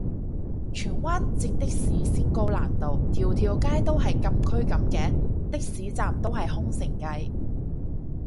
荃灣截的士先高難度，條條街都係禁區噉嘅？的士站都係空城計